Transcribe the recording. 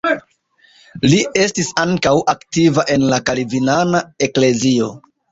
Li estis ankaŭ aktiva en la kalvinana eklezio.